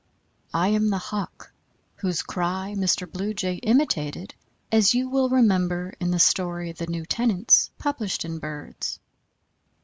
I am the Hawk whose cry Mr. Blue Jay imitated, as you will remember, in the story "The New Tenants," published in Birds.